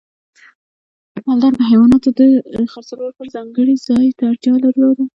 مالدار د حیواناتو د خرڅلاو لپاره ځانګړي ځای ته اړتیا درلوده.